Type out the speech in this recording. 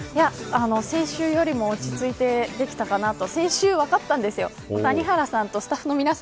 先週よりも落ち着いてできたかなと。